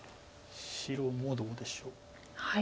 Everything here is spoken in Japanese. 白もどうでしょう。